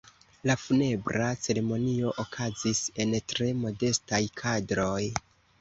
La funebra ceremonio okazis en tre modestaj kadroj.